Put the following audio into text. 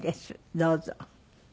どうぞ。